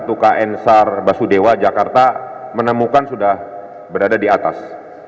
menggunakan tiga rip dan satu kn sar basu dewa jakarta menemukan sudah berada di atas